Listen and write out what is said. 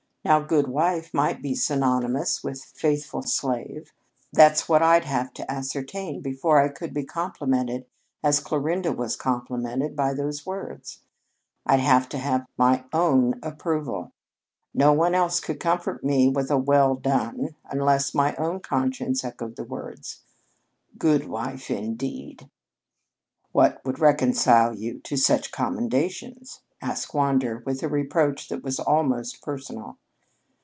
Now, 'good wife' might be synonymous with 'faithful slave.' That's what I'd have to ascertain before I could be complimented as Clarinda was complimented by those words. I'd have to have my own approval. No one else could comfort me with a 'well done' unless my own conscience echoed the words. 'Good wife,' indeed!" "What would reconcile you to such commendations?" asked Wander with a reproach that was almost personal.